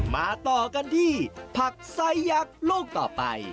มาต่อกันที่ผักไซสยักษ์ลูกต่อไป